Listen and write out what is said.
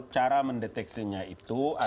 cara mendeteksinya itu